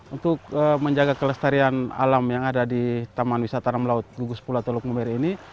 untuk menjaga kelestarian alam yang ada di taman wisata alam laut gugus pulau teluk mumeri ini